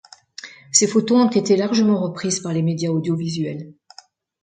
Ces photos ont été largement reprises par les médias audiovisuels.